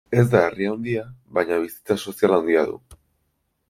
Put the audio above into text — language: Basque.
Ez da herri handia, baina bizitza sozial handia du.